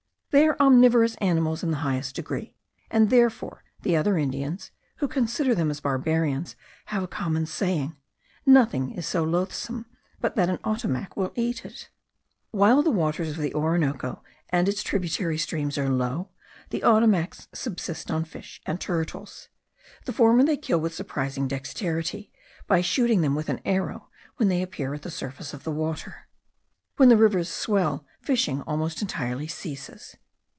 They are omnivorous animals in the highest degree; and therefore the other Indians, who consider them as barbarians, have a common saying, nothing is so loathsome but that an Ottomac will eat it. While the waters of the Orinoco and its tributary streams are low, the Ottomacs subsist on fish and turtles. The former they kill with surprising dexterity, by shooting them with an arrow when they appear at the surface of the water. When the rivers swell fishing almost entirely ceases.